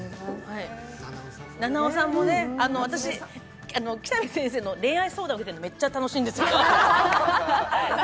菜々緒さんもね、私、喜多見先生の恋愛相談受けてるのめっちゃ楽しいんです。